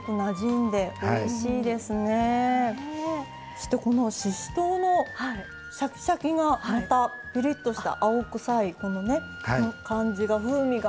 そしてこのししとうのシャキシャキがまたピリッとした青臭いこのねこの感じが風味があっていいですね。